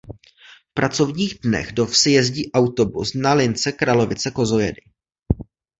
V pracovních dnech do vsi jezdí autobus na lince Kralovice–Kozojedy.